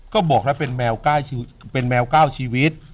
ก็บอกแล้วเป็นแมวก้าวชีวิต